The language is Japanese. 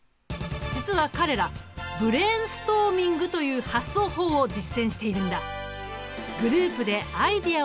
実は彼らブレーンストーミングという発想法を実践しているんだ。